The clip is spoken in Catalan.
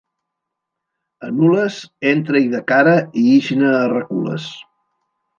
A Nules, entra-hi de cara i ix-ne a recules.